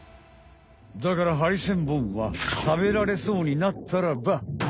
だからハリセンボンは食べられそうになったらば。